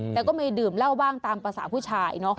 แต่ก็ไม่ดื่มเล่าว่างตามภาษาผู้ชาย